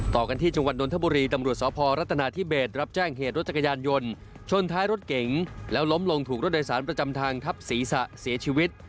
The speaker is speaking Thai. ต่อกันที่จังหวัดนทบุรีตำรวจสพรัฐนาธิเบสรับแจ้งเหตุรถจักรยานยนต์ชนท้ายรถเก๋งแล้วล้มลงถูกรถโดยสารประจำทางทับศีรษะเสียชีวิต